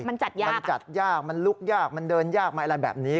มันจัดยากมันจัดยากมันลุกยากมันเดินยากไหมอะไรแบบนี้